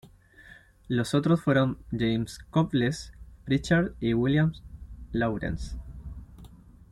Los otros fueron James Cowles Prichard y William Lawrence.